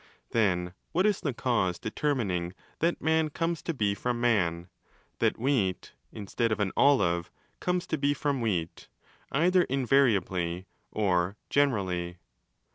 Then what is the cause determining that man comes to be from man, that wheat (instead of an olive) comes to be from wheat, either invariably or gener ally?